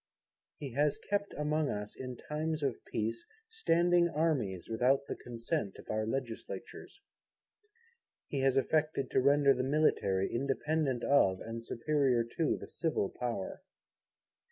He has kept among us, in times of peace, Standing Armies without the Consent of our legislatures. He has affected to render the Military independent of and superior to the Civil Power.